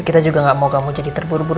kita juga gak mau kamu jadi terburu buru